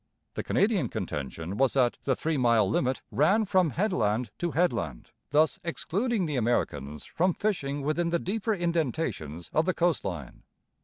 The Canadian contention was that the three mile limit ran from headland to headland, thus excluding the Americans from fishing within the deeper indentations of the coast line.